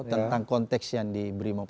tentang konteks yang diberi mob